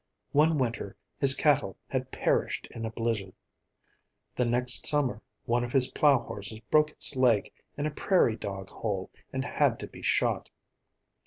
One winter his cattle had perished in a blizzard. The next summer one of his plow horses broke its leg in a prairiedog hole and had to be shot.